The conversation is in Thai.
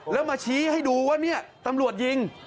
แล้วมาชี้ให้ดูว่าเนี่ยตำรวจยิง